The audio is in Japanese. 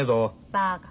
バカ。